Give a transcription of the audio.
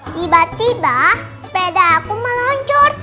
tiba tiba sepeda aku meluncur